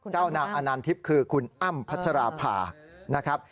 เจ้านางอนันทิพย์คือคุณอ้ำพัชราภานะครับ